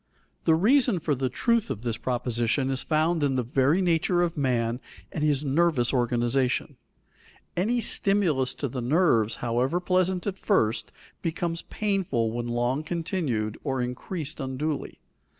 The reason for the truth of this proposition is found in the very nature of man and his nervous organization. Any stimulus to the nerves, however pleasant at first, becomes painful when long continued or increased unduly.